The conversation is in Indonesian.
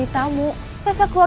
kalian berpenduduk edukator